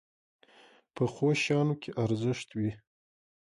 پخو شیانو کې ارزښت وي